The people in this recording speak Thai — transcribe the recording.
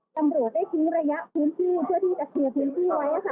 ตำรวจได้ทิ้งระยะพื้นที่เพื่อที่จะเคลียร์พื้นที่ไว้